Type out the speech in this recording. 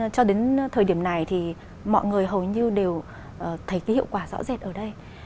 cho đến thời điểm này thì mọi người hầu như đều thấy cái hiệu quả rõ rệt ở đây